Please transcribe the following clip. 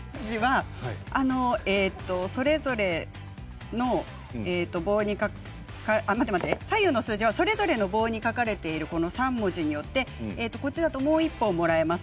この左右の数字はそれぞれの棒に書かれている３文字によって＋１だと、もう１本もらえます。